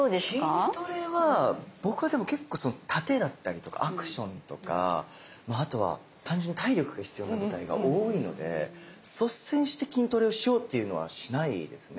筋トレは僕は殺陣だったりとかアクションとか単純に体力が必要な舞台が多いので率先して筋トレをしようっていうのはしないですね